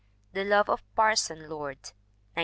The Love of Parson Lord, 1900.